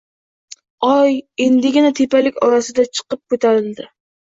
Oy endigina tepalik orqasidan chiqib ko’tarildi